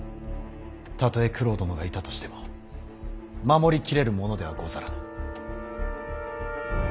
たとえ九郎殿がいたとしても守り切れるものではござらぬ。